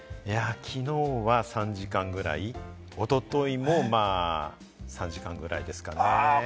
きのうは３時間ぐらい、おとといも３時間ぐらいですかね。